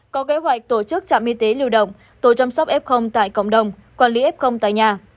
có kế hoạch tổ chức trạm y tế lưu động tổ chăm sóc f tại cộng đồng quản lý f tại nhà